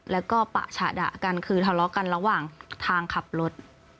แล้วก็ปะฉะดะกันคือทะเลาะกันระหว่างทางขับรถ